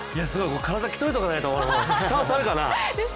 体鍛えておかないとチャンスあるかな？